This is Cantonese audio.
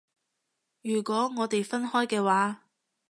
如果我哋分開嘅話